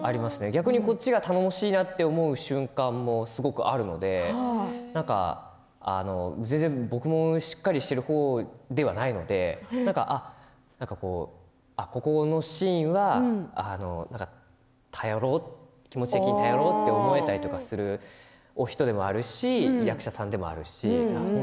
逆にこっちが頼もしいなと思う瞬間もあるので全然、僕もしっかりしている方ではないのでこのシーンは頼ろうって気持ち的に頼ろうって思えたりする人でもありますし役者さんでもあります。